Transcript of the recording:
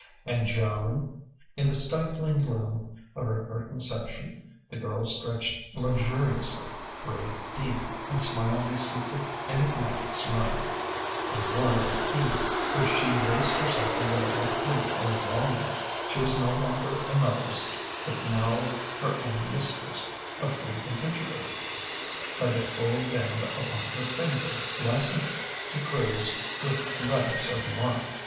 And Joan?... In the stifling gloom of her curtained section the girl stretched luxuriously, breathed deep, and smiled a secret, enigmatic smile. No more than he, would she waste herself away with grief and longing. She was no longer another's but now her own mistress: a free adventurer, by the gold band upon her finger licensed to cruise with letters of marque.